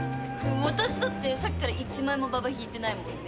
私だってさっきから一枚もばば引いてないもんね。